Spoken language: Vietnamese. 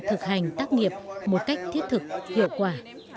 thực hành tác nghiệp một cách thiết thực hiệu quả